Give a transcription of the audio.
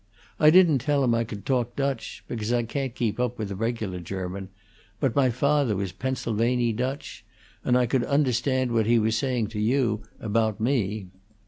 I didn't tell him I could talk Dutch, because I can't keep it up with a regular German; but my father was Pennsylvany Dutch, and I could understand what he was saying to you about me.